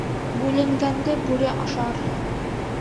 Бүленгәнде бүре ашар.